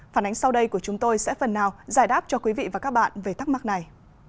phản ánh sau đây của chúng tôi sẽ phần nào giải đáp cho quý vị và các bạn về thắc mắc này